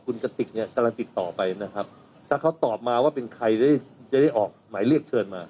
คุณกติกเนี่ยกำลังติดต่อไปนะครับถ้าเขาตอบมาว่าเป็นใครได้จะได้ออกหมายเรียกเชิญมา